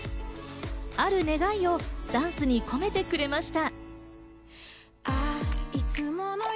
ある願いをダンスに込めてくれました。